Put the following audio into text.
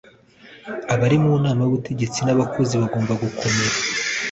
Abari mu nama y ubutegetsi n abakozi bagomba gukomera